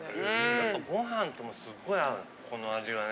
やっぱご飯ともすっごい合うこの味がね。